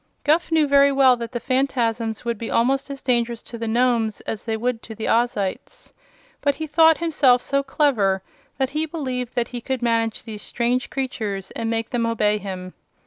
Guph knew very well that the Phanfasms would be almost as dangerous to the Nomes as they would to the Ozites, but he thought himself so clever that he believed he could manage these strange creatures and make them obey him.